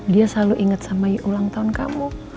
dia selalu ingat sama ulang tahun kamu